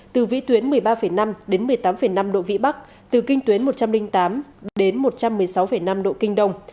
từ vĩ tuyến một mươi ba năm đến một mươi tám năm độ vĩ bắc từ kinh tuyến một trăm linh tám đến một trăm một mươi sáu năm độ kinh đông